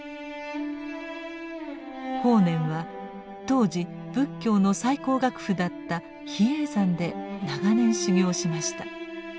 法然は当時仏教の最高学府だった比叡山で長年修行しました。